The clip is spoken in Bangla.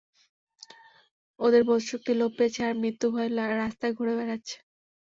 ওদের বোধশক্তি লোপ পেয়েছে আর মৃত্যু ভয়ে রাস্তায় ঘুরে বেড়াচ্ছে।